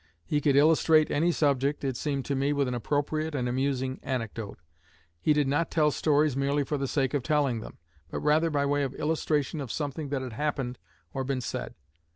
He could illustrate any subject, it seemed to me, with an appropriate and amusing anecdote. He did not tell stories merely for the sake of telling them, but rather by way of illustration of something that had happened or been said.